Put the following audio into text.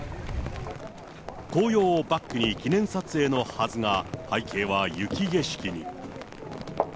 紅葉をバックに記念撮影のはずが、背景は雪景色に。